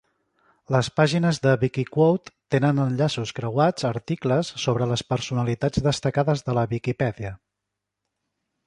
Les pàgines de Wikiquote tenen enllaços creuats a articles sobre les personalitats destacades de la Viquipèdia.